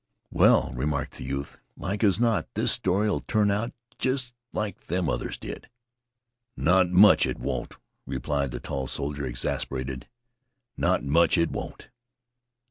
"Well," remarked the youth, "like as not this story'll turn out jest like them others did." "Not much it won't," replied the tall soldier, exasperated. "Not much it won't.